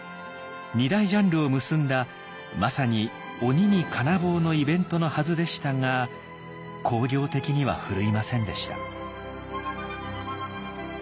２大ジャンルを結んだまさに「鬼に金棒」のイベントのはずでしたが興行的には振るいませんでした。